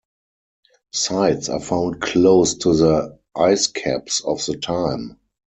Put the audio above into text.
Sites are found close to the ice caps of the time.